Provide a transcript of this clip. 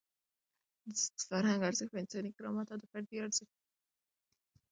د فرهنګ ارزښت په انساني کرامت او د فردي ازادۍ په درناوي کې دی.